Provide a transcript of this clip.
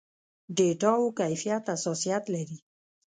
ډېټاوو کيفيت حساسيت لري.